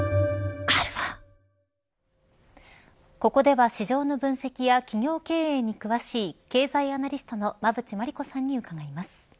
ここでは市場の分析や企業経営に詳しい経済アナリストの馬渕磨理子さんに伺います。